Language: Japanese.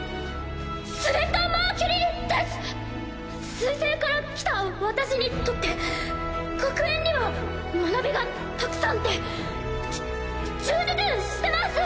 水星から来た私にとって学園には学びがたくさんでじゅ充実してます！